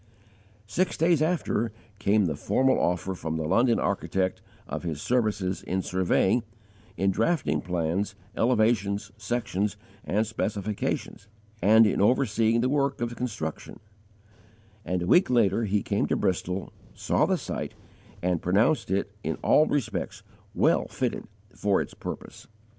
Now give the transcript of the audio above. Appendix G. Six days after, came the formal offer from the London architect of his services in surveying, in draughting plans, elevations, sections, and specifications, and in overseeing the work of construction; and a week later he came to Bristol, saw the site, and pronounced it in all respects well fitted for its purpose.